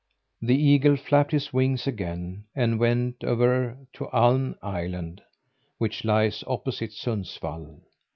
The eagle flapped his wings again, and went over to Aln Island, which lies opposite Sundsvall.